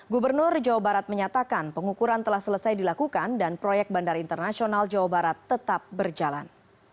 gubernur jawa barat menyatakan pengukuran telah selesai dilakukan dan proyek bandara internasional jawa barat tetap berjalan